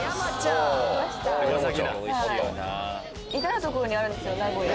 至る所にあるんですよ名古屋。